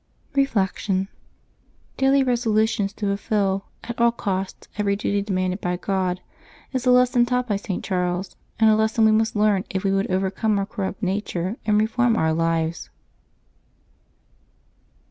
Reflection. — Daily resolutions to fulfil, at all cost, every duty demanded by God, is the lesson taught by St. Charles ; and a lesson we must learn if we would overcome our cor rupt nature and reform our lives.